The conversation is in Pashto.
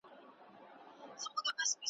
چي بچي دي زېږولي غلامان دي `